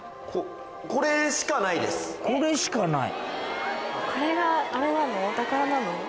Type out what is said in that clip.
これしかない。